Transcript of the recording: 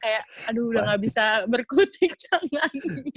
kayak aduh udah gak bisa berkutik